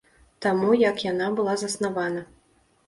Таму як яна была заснавана.